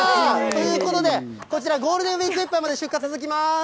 ということで、こちら、ゴールデンウィークいっぱいまで出荷続きます。